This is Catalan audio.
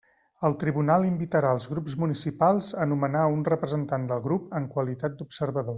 El tribunal invitarà als grups municipals a nomenar un representant del grup en qualitat d'observador.